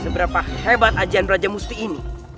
seberapa hebat ajan raja musti ini